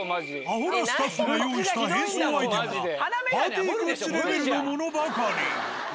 アホなスタッフが用意した変装アイテムがパーティーグッズレベルのものばかり。